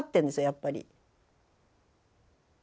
やっぱり。